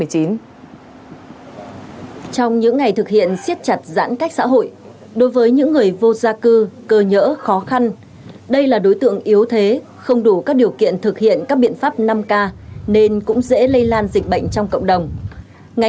trong những ngày thực hiện siết chặt giãn cách xã hội đối với những người vô gia cư cơ nhỡ khó khăn đây là đối tượng yếu thế không đủ các điều kiện thực hiện các biện pháp năm k nên cũng dễ lây lan dịch bệnh trong cộng đồng